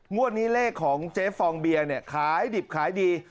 งวดนี้เลขของเจ๊ฟองเบียร์เนี่ยขายดิบขายดี